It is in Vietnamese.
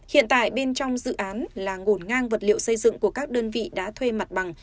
hiện tại bên trong dự án là ngổn ngang vật liệu xây dựng của các đơn vị đã thuê mặt bằng